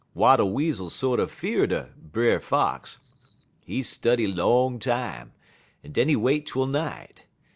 Wattle Weasel sorter 'fear'd 'er Brer Fox. He study long time, en den he wait twel night.